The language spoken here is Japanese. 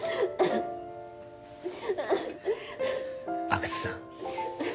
阿久津さん